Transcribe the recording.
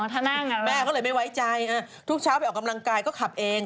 อ๋อถ้าน่าอยากหลับแม่ก็เลยไม่ไว้ใจทุกเช้าไปออกกำลังกายก็ขับเอง